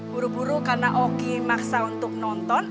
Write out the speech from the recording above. buru buru karena oki maksa untuk nonton